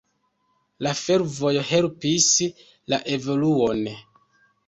La fervojo helpis la evoluon.